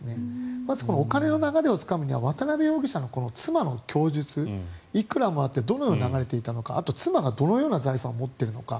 まずこのお金の流れをつかむには渡邉容疑者の妻の供述いくらもらってどのように流れていたのかあと、妻がどのような財産を持っているのか。